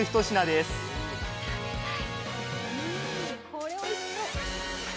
これおいしそう。